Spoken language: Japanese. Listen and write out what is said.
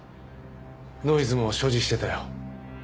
ノイズも所持していたよ。